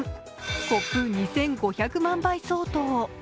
コップ２５００万杯相当。